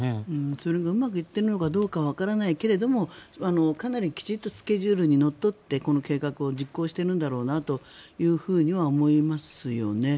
それもうまくいっているのかどうかはわからないけれどもかなりきちんとスケジュールにのっとってこの計画を実行しているんだろうなというふうには思いますよね。